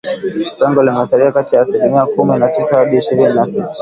Pengo limesalia kati ya asilimia kumi na tisa hadi ishirini na sita